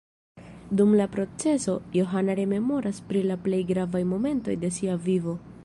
Dum la proceso, Johana rememoras pri la plej gravaj momentoj de sia vivo.